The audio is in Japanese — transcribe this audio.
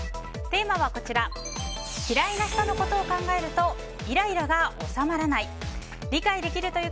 テーマは嫌いな人のことを考えるとイライラが収まらない。